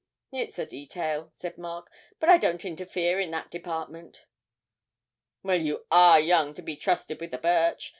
'It's a detail,' said Mark; 'but I don't interfere in that department.' 'Well, you are young to be trusted with a birch.